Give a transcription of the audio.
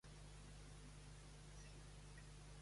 Quines botigues hi ha al carrer de la Colònia del Tibidabo?